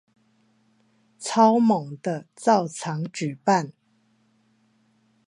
超猛的照常舉辦